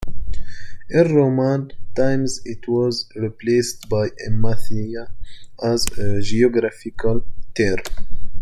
In Roman times it was replaced by Emathia as a geographical term.